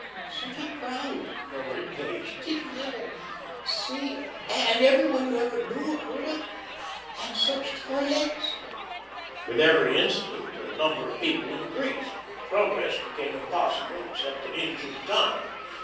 "Such a crowd," murmured Page. "Did you ever see and every one you ever knew or heard of. And such toilettes!" With every instant the number of people increased; progress became impossible, except an inch at a time.